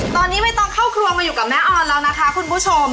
ตอนนี้ไม่ต้องเข้าครัวมาอยู่กับแม่ออนแล้วนะคะคุณผู้ชม